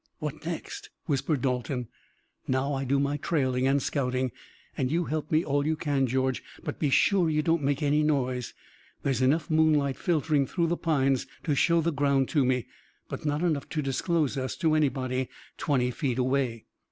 "What next?" whispered Dalton. "Now, I do my trailing and scouting, and you help me all you can, George, but be sure you don't make any noise. There's enough moonlight filtering through the pines to show the ground to me, but not enough to disclose us to anybody twenty feet away."